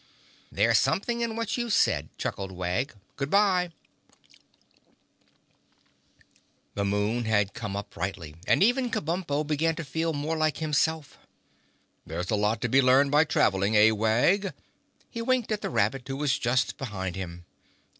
"There's something in what you've said," chuckled Wag. "Good bye!" [Illustration: (unlabelled)] The moon had come up brightly and even Kabumpo began to feel more like himself. "There's a lot to be learned by traveling, eh, Wag?" He winked at the rabbit, who was just behind him.